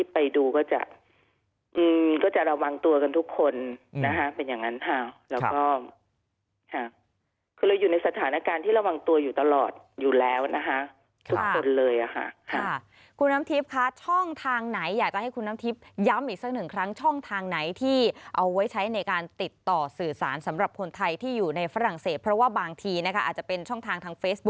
ไปดูก็จะก็จะระวังตัวกันทุกคนนะฮะเป็นอย่างนั้นค่ะแล้วก็คือเราอยู่ในสถานการณ์ที่ระวังตัวอยู่ตลอดอยู่แล้วนะคะทุกคนเลยอ่ะค่ะคุณน้ำทิพย์คะช่องทางไหนอยากจะให้คุณน้ำทิพย์ย้ำอีกสักหนึ่งครั้งช่องทางไหนที่เอาไว้ใช้ในการติดต่อสื่อสารสำหรับคนไทยที่อยู่ในฝรั่งเศสเพราะว่าบางทีนะคะอาจจะเป็นช่องทางทางเฟซบุ